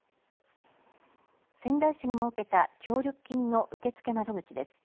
仙台市が設けた協力金の受付窓口です。